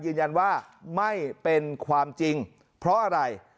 ยืนยันว่าไม่เป็นความจริงเพราะอะไร